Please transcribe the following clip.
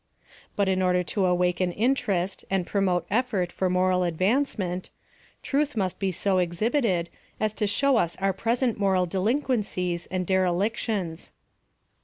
But in order to awaken interest and promote effort for mora, advancement, truth must be so exhibited as to show us our present moral delin quencies andderCiictions.